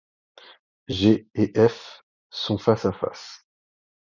G et F sont face à face.